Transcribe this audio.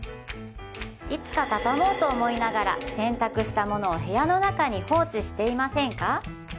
いつか畳もうと思いながら洗濯したものを部屋の中に放置していませんか？